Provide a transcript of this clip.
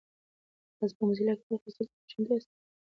تاسو په موزیلا کې برخه اخیستلو ته چمتو یاست؟